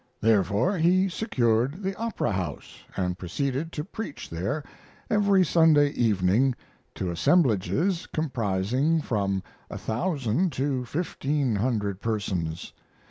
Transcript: Therefore he secured the Opera House and proceeded to preach there every Sunday evening to assemblages comprising from a thousand to fifteen hundred persons.